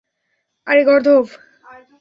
আরে, গর্দভ!